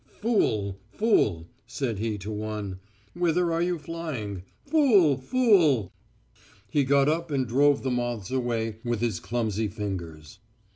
"'Fool! fool!' said he to one. 'Whither are you flying? Fool! fool!' He got up and drove the moths away with his clumsy fingers.